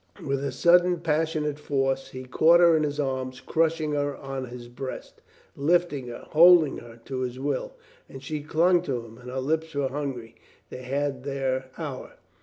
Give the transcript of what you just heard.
With a sudden passionate force he caught her in his arms, crushing her on his breast, lifting her, holding her to his will. And she clung to him and her lips were hungry. They had their hour.